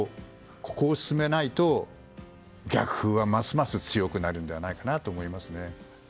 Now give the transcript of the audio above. ここを進めないと逆風はますます強くなるんじゃないかと思います。